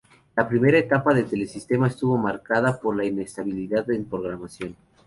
La primera etapa de Telesistema estuvo marcada por la inestabilidad en programación.